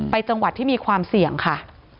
จังหวัดที่มีความเสี่ยงค่ะ